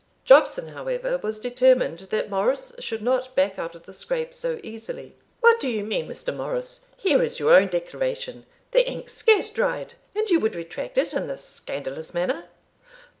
Jobson, however, was determined that Morris should not back out of the scrape so easily. "What do you mean, Mr. Morris? Here is your own declaration the ink scarce dried and you would retract it in this scandalous manner!"